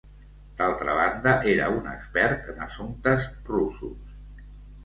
D'altra banda, era un expert en assumptes russos.